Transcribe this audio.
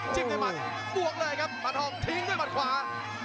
จิบในมันปลวกเลยครับบรรทอมทิ้งด้วยมันขวา